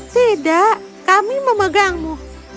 tidak aku akan menganggapmu